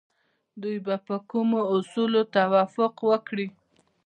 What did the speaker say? دوی به پر کومو اصولو توافق وکړي؟